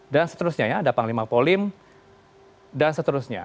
dan seterusnya ya ada panglima polim dan seterusnya